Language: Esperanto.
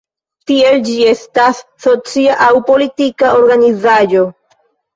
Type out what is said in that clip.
Tiel, ĝi estas socia aŭ politika organizaĵo.